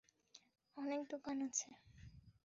অনেক দোকান আছে।